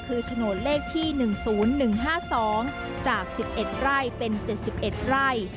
คือโฉนดเลขที่๑๐๑๕๒จาก๑๑ไร่เป็น๗๑ไร่